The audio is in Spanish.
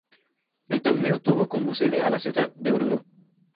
El torneo tuvo como sede a la ciudad de Oruro.